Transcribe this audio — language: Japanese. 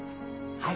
はい。